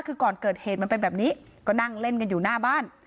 คือก่อนเกิดเหตุมันเป็นแบบนี้ก็นั่งเล่นกันอยู่หน้าบ้าน